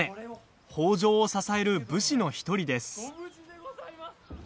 北条を支える武士の１人です。